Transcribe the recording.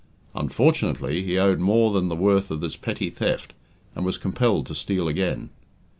Unfortunately, he owed more than the worth of this petty theft, and was compelled to steal again.